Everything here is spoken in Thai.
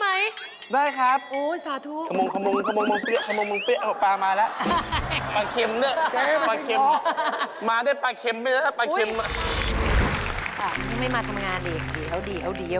ไม่ไหวให้หลามใจเลยเอาให้ชับปลอดเลย